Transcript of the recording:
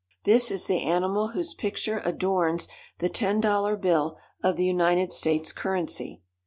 This is the animal whose picture adorns the ten dollar bill of the United States currency.